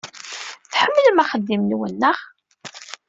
Tḥemmlem axeddim-nwen, naɣ?